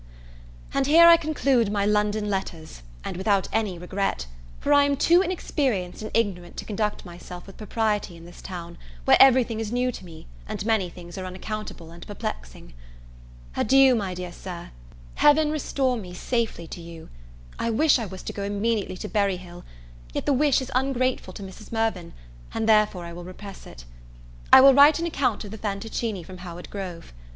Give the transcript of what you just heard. And here I conclude my London letters, and without any regret; for I am too inexperienced and ignorant to conduct myself with propriety in this town, where everything is new to me, and many things are unaccountable and perplexing. Adieu, my dear Sir; Heaven restore me safely to you! I wish I was to go immediately to Berry Hill; yet the wish is ungrateful to Mrs. Mirvan, and therefore I will repress it. I shall write an account of the Fantoccini from Howard Grove.